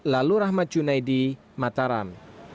lalu rahmat cunaidi mataram